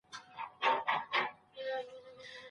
د څارویو روغتیا ته پام وکړئ.